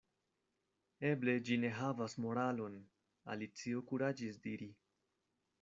"Eble ĝi ne havas moralon," Alicio kuraĝis diri.